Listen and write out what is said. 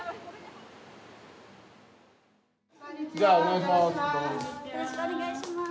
じゃあお願いします。